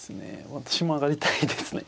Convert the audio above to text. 私も上がりたいですね。